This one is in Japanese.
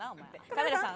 カメラさん